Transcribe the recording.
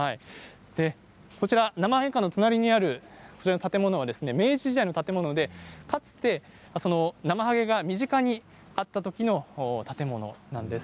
なまはげ館の隣にあるこちらの建物は明治時代の建物で、かつてなまはげが身近にあったときの建物なんです。